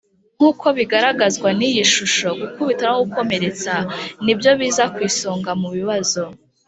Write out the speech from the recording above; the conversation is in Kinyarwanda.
Nk uko bigaragazwa n iyi shusho gukubita no gukomeretsa nibyo biza ku isonga mu bibazo